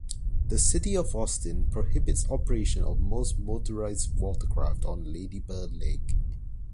The City of Austin prohibits operation of most motorized watercraft on Lady Bird Lake.